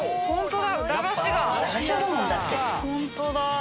ホントだ。